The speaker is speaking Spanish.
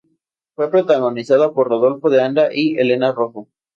Fue protagonizada por Rodolfo de Anda y Helena Rojo.